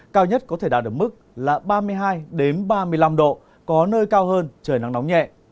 cao nhất có thể đạt được mức là ba mươi hai ba mươi năm độ có nơi cao hơn trời nắng nóng nhẹ